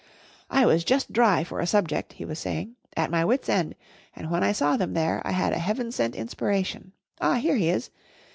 "I was just dry for a subject," he was saying; "at my wits' end, and when I saw them there, I had a Heaven sent inspiration. Ah! here he is.